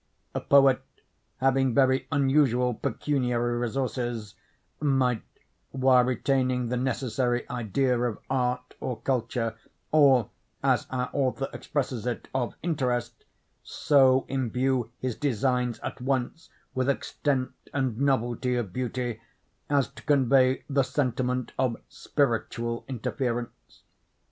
A poet, having very unusual pecuniary resources, might, while retaining the necessary idea of art or culture, or, as our author expresses it, of interest, so imbue his designs at once with extent and novelty of beauty, as to convey the sentiment of spiritual interference.